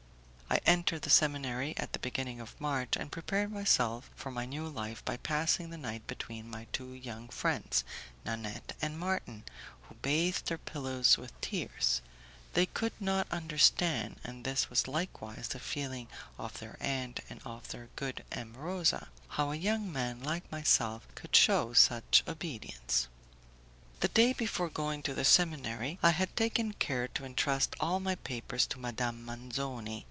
I entered the seminary at the beginning of March, and prepared myself for my new life by passing the night between my two young friends, Nanette and Marton, who bathed their pillows with tears; they could not understand, and this was likewise the feeling of their aunt and of the good M. Rosa, how a young man like myself could shew such obedience. The day before going to the seminary, I had taken care to entrust all my papers to Madame Manzoni.